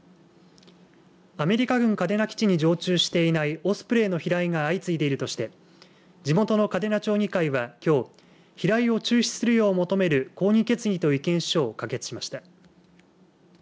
アメリカ軍嘉手納基地に常駐していないオスプレイの飛来が相次いでいるとして地元の嘉手納町議会はきょう、飛来を中止するよう求める抗議決議と意見書を可決しました。